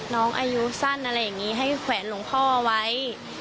น้องอายุสั้นอะไรอย่างนี้ให้แขวนหลวงพ่อไว้